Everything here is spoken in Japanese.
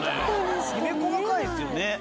きめ細かいですよね。